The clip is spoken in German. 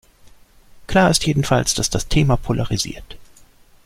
Klar ist jedenfalls, dass das Thema polarisiert.